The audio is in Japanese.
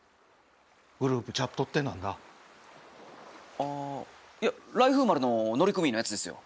ああいや来風丸の乗組員のやつですよ。